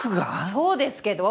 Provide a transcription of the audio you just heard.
そうですけど！